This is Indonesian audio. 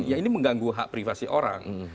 ya ini mengganggu hak privasi orang